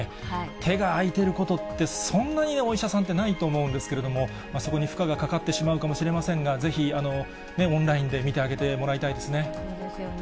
手が空いていることって、そんなにお医者さんってないと思うんですけど、そこに負荷がかかってしまうかもしれませんが、ぜひオンラインで見てあげてもらいたいですね。